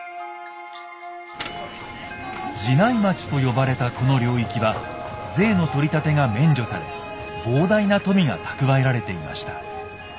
「寺内町」と呼ばれたこの領域は税の取り立てが免除され膨大な富が蓄えられていました。